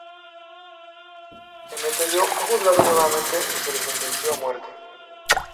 Emeterio fue juzgado nuevamente y se le sentenció a muerte.